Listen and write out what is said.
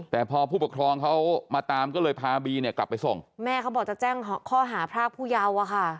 แต่พอผู้ปกครองเขามาตามก็เลยพาบีเนี่ยกลับไปส่งแม่เขาบอกจะแจ้งข้อหาพรากผู้เยาว์อะค่ะ